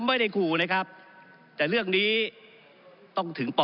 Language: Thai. ก็ได้มีการอภิปรายในภาคของท่านประธานที่กรกครับ